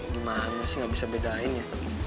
gimana sih nggak bisa bedain ya